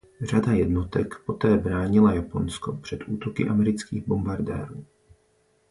Řada jednotek poté bránila Japonsko před útoky amerických bombardérů.